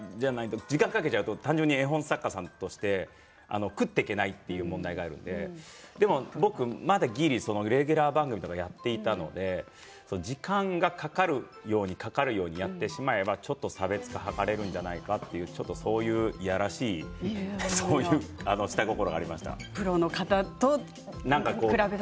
時間をかけると単純に絵本作家さんとして食っていけないという問題があるので僕はギリ、レギュラー番組とかやっていたので時間がかかるようにやってしまえばちょっと差別化が図れるんじゃないかなとちょっとそういう嫌らしい下心がありました。